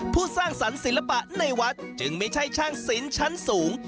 สร้างสรรค์ศิลปะในวัดจึงไม่ใช่ช่างศิลป์ชั้นสูง